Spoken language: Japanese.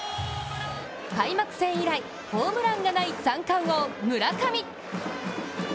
開幕戦以来、ホームランがない三冠王・村上。